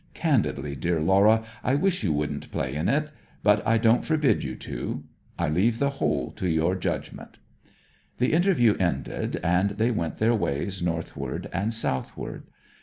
Candidly, dear Laura, I wish you wouldn't play in it. But I don't forbid you to. I leave the whole to your judgment.' The interview ended, and they went their ways northward and southward.